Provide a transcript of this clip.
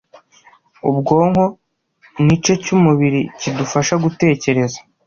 Ubwonko n’ice cy’umubiri kidufasha gutekereza